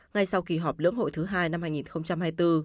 ngay sau kỳ họp lưỡng hội thứ hai năm hai nghìn hai mươi bốn